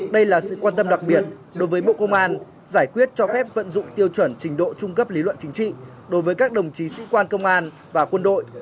đây là sự quan tâm đặc biệt đối với bộ công an giải quyết cho phép vận dụng tiêu chuẩn trình độ trung cấp lý luận chính trị đối với các đồng chí sĩ quan công an và quân đội